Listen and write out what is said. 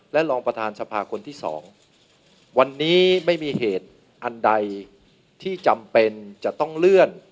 รองประธานสภาคนที่สองวันนี้ไม่มีเหตุอันใดที่จำเป็นจะต้องเลื่อน